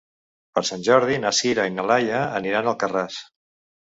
Per Sant Jordi na Sira i na Laia aniran a Alcarràs.